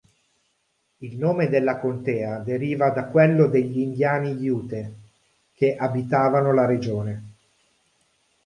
Il nome della contea deriva da quello degli indiani Ute che abitavano la regione.